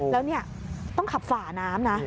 แล้วต้องขับฝาน้ำนะ